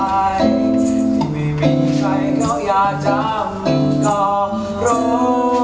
ที่ไม่มีใครเขาอยากจำหรือก็รู้